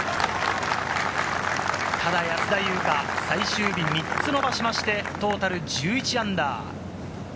ただ、安田祐香、最終日、３つ伸ばしましてトータル−１１。